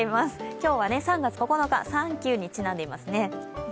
今日は３月９日、サンキューにちなんでいますね。